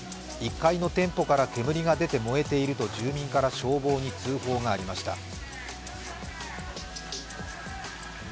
１階の店舗から煙が出て燃えていると住民から消防に通報がありました。